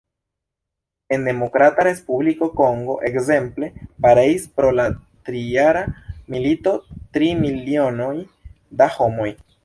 En Demokrata Respubliko Kongo, ekzemple, pereis pro la trijara milito tri milionoj da homoj.